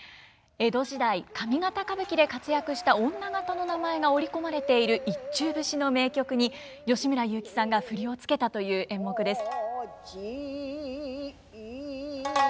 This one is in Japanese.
江戸時代上方歌舞伎で活躍した女方の名前が織り込まれている一中節の名曲に吉村雄輝さんが振りを付けたという演目です。